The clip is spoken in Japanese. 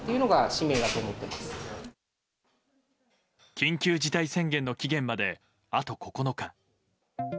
緊急事態宣言解除の期限まであと９日。